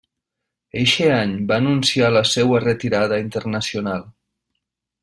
Eixe any va anunciar la seua retirada internacional.